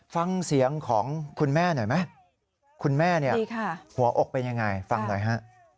ฟังเสียงของคุณแม่หน่อยไหมคุณแม่เนี่ยหัวอกเป็นยังไงฟังหน่อยฮะ